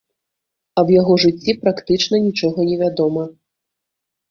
Аб яго жыцці практычна нічога невядома.